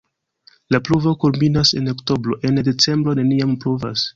La pluvo kulminas en oktobro, en decembro neniam pluvas.